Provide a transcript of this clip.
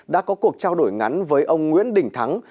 đã có cuộc trao đổi ngắn với ông nguyễn đình thắng